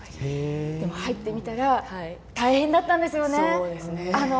でも入ってみたら大変だったんですよね。